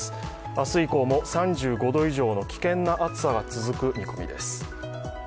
明日以降も３５度以上の危険な暑さが続く見込みです。